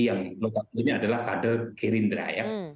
yang menurut saya adalah kader gerindra ya